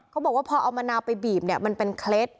เขาบอกว่าพอเอามะนาวไปบีบเนี่ยมันเป็นเคล็ด